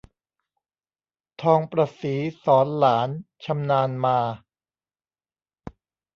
ทองประศรีสอนหลานชำนาญมา